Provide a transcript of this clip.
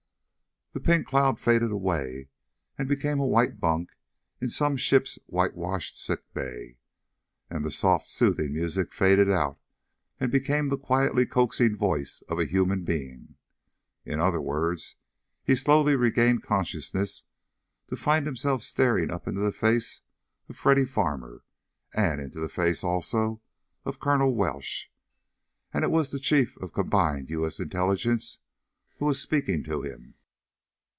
The pink cloud faded away and became a white bunk in some ship's whitewashed sick bay. And the soft, soothing music faded out, and became the quietly coaxing voice of a human being. In other words, he slowly regained consciousness to find himself staring up into the face of Freddy Farmer, and into the face, also, of Colonel Welsh. And it was the Chief of Combined U. S. Intelligence who was speaking to him.